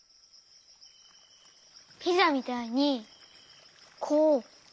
ピザみたいにこうわける？